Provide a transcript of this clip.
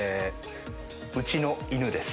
うちの犬です。